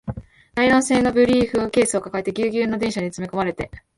ナイロン製のブリーフケースを抱えて、ギュウギュウの電車に詰め込まれて